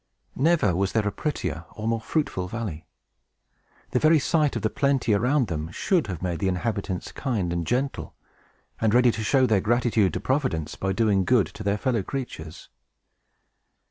Never was there a prettier or more fruitful valley. The very sight of the plenty around them should have made the inhabitants kind and gentle, and ready to show their gratitude to Providence by doing good to their fellow creatures.